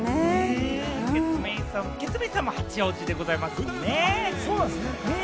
ケツメイシさんも八王子でございますもんね。